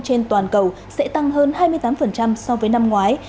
trên toàn cầu sẽ tăng hơn hai mươi tám so với năm ngoái